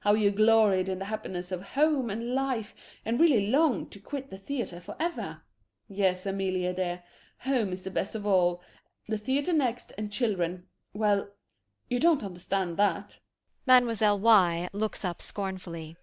How you gloried in the happiness of home life and really longed to quit the theatre forever? Yes, Amelie dear, home is the best of all, the theatre next and children well, you don't understand that. MLLE. Y. [Looks up scornfully.